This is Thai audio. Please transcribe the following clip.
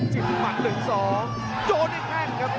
จิ้นมัดหนึ่งสองโยนหนึ่งแห้งครับ